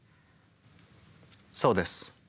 そうです。